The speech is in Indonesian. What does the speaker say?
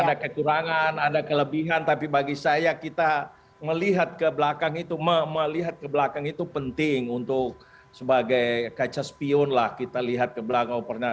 ada kekurangan ada kelebihan tapi bagi saya kita melihat ke belakang itu penting untuk sebagai kaca spion lah kita lihat ke belakang